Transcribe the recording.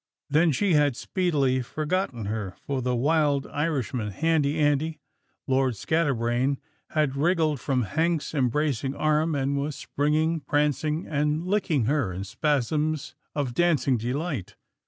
then she had speedily forgotten her, for the wild Irishman, Handy Andy, Lord Scatterbrain, had wriggled from Hank's embracing arm, and was springing, prancing, and licking her in spasms of dancing delight.